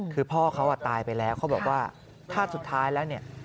คือพ่อเขาตายไปแล้วเขาบอกว่าถ้าสุดท้ายแล้วเนี่ย